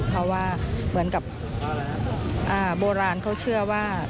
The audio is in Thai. เพราะว่าเหมือนกับโบราณเขาเชื่อว่า